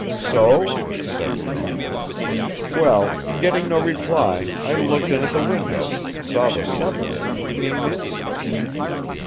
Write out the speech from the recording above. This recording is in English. "So?" said Jones. "Well, getting no reply I looked in at the window, saw the supper, and came in."